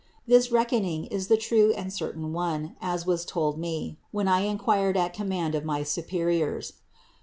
This reckoning is the true and certain one, as was told me, when I inquired at command of my supe riors.